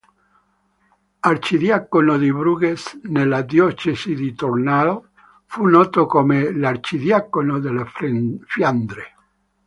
Arcidiacono di Bruges, nella diocesi di Tournai, fu noto come l'"arcidiacono delle Fiandre".